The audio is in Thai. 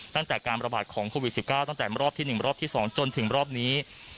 ตั้งแต่การประบาดของโควิด๑๙ตั้งแต่รอบที่๑รอบที่๒จนถึงรอบนี้